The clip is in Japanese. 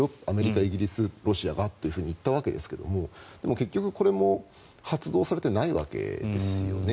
アメリカ、イギリスロシアがって言ったわけですが結局これも発動されてないわけです。